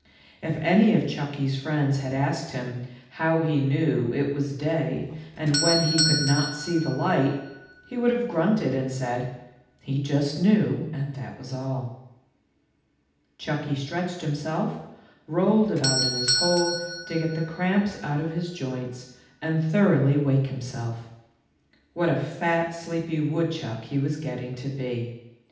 If any of Chucky's friends had asked him " how he knew it was day when he could not see the light," he would have grunted and said, " he just knew and that was all." Chucky stretched himself, rolled about in his hole, to get the cramps out of his joints, and thoroughly wake himself. What a fat, sleepy woodchuck he was getting to be